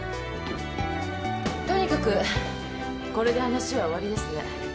とにかくこれで話は終わりですね。